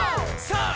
さあ！